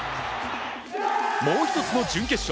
もう１つの準決勝。